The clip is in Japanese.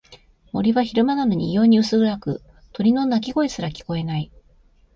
森は昼間なのに異様に薄暗く、鳥の鳴き声すら聞こえない。